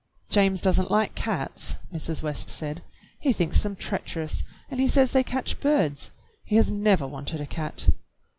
"James does n't like cats," Mrs. West said. "He thinks them treacherous, and he says they catch birds. He has never wanted a cat."